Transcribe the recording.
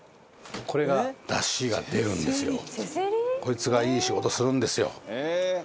こいつがいい仕事するんですよ。